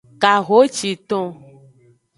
Kahociton.